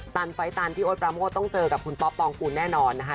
ไฟล์ตันที่โอ๊ตปราโมทต้องเจอกับคุณป๊อปปองกูลแน่นอนนะคะ